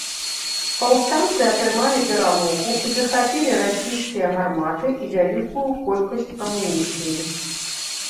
Паўстанцы атрымалі перамогу і захапілі расійскія гарматы і вялікую колькасць амуніцыі.